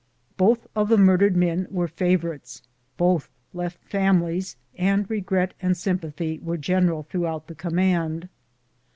Both of the murdered men were favor ites; both left families, and regret and sympathy were general throughout the command.